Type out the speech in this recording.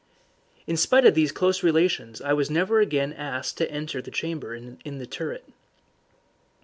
In spite of these close relations I was never again asked to enter the chamber in the turret.